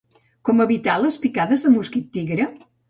Com evitar les picades de mosquit tigre?